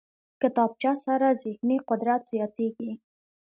کتابچه سره ذهني قدرت زیاتېږي